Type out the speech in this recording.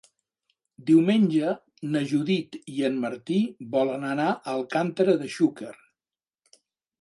Diumenge na Judit i en Martí volen anar a Alcàntera de Xúquer.